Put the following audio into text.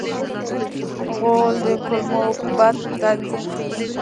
غول د کولمو بد تنظیم ښيي.